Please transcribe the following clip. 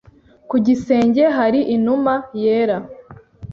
Ku gisenge hari inuma yera.